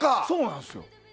そうなんすよ。